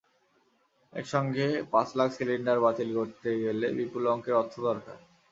একসঙ্গে পাঁচ লাখ সিলিন্ডার বাতিল করতে গেলে বিপুল অঙ্কের অর্থ দরকার।